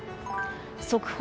速報。